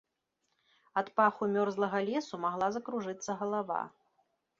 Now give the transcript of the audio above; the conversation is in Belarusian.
Ад паху мёрзлага лесу магла закружыцца галава.